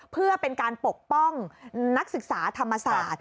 เพื่อเป็นการปกป้องนักศึกษาธรรมศาสตร์